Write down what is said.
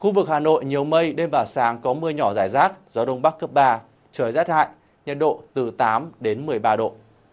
khu vực hà nội nhiều mây đêm và sáng có mưa rải rác gió đông bắc cấp ba trời rát hại nhiệt độ từ tám một mươi năm độ